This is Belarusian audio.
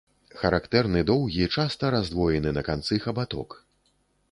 Характэрны доўгі, часта раздвоены на канцы хабаток.